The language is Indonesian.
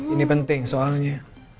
ini penting soalnya